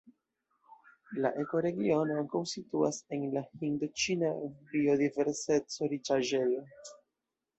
La ekoregiono ankaŭ situas en la Hindoĉina biodiverseco-riĉaĵejo.